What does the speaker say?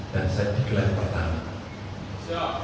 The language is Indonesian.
dan saya dikelahkan pertama